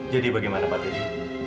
jadi bagaimana pak teddy